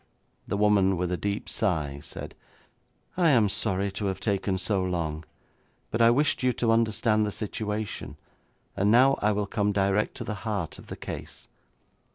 The woman with a deep sigh said, 'I am sorry to have taken so long, but I wished you to understand the situation, and now I will come direct to the heart of the case.